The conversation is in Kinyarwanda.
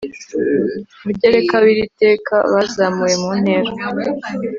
mugereka w iri teka bazamuwe mu ntera